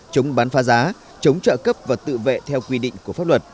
chống bán phá giá chống trợ cấp và tự vệ theo quy định của pháp luật